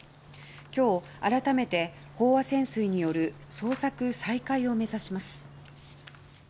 今日、改めて飽和潜水による捜索再開を目指します。